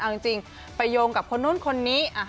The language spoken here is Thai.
เอาจริงไปโยงกับคนนู้นคนนี้